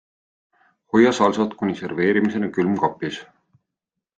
Hoia salsat kuni serveerimiseni külmkapis.